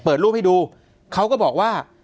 เปิดรูปให้ดูเขาก็บอกว่า